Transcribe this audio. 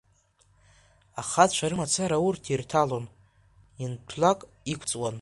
Ахацәа рымацара урҭ ирҭалон, ианҭәлак иқәҵуан.